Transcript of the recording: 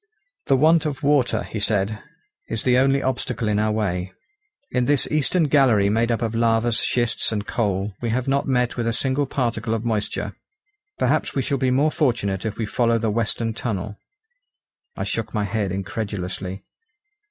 "The want of water," he said, "is the only obstacle in our way. In this eastern gallery made up of lavas, schists, and coal, we have not met with a single particle of moisture. Perhaps we shall be more fortunate if we follow the western tunnel." I shook my head incredulously.